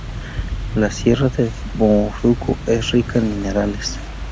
La sierra de Bahoruco es rica en minerales.